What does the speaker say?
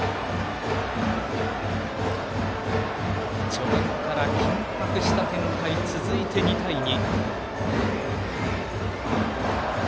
序盤から緊迫した展開続いて２対２。